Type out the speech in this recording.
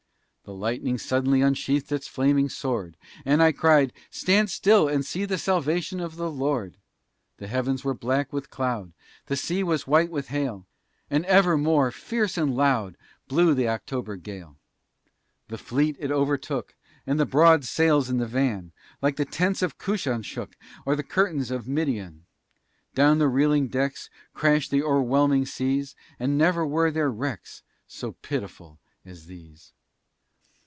The lightning suddenly Unsheathed its flaming sword, And I cried: "Stand still, and see The salvation of the Lord!" The heavens were black with cloud, The sea was white with hail, And ever more fierce and loud Blew the October gale. The fleet it overtook, And the broad sails in the van Like the tents of Cushan shook, Or the curtains of Midian. Down on the reeling decks Crashed the o'erwhelming seas; Ah, never were there wrecks So pitiful as these!